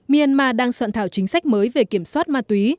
myanmar đang soạn thảo chính sách mới về kiểm soát ma túy